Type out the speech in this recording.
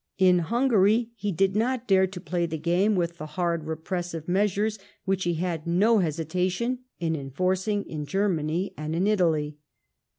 In Hungary he did not dare to phiy the game with the hard, repressive measures which he had no hesitation in enforcing in Germany and in Italy.